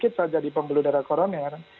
sedikit saja di pembeluh darah koroner